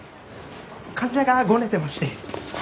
患者がごねてまして。